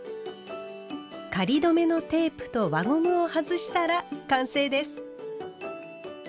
仮留めのテープと輪ゴムを外したら完成です。